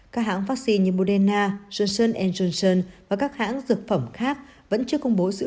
các hãng vaccine như moderna johnson johnson và các hãng dược phẩm khác vẫn chưa công bố dự